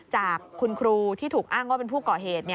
จากคุณครูที่ถูกอ้างว่าเป็นผู้ก่อเหตุ